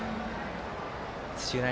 土浦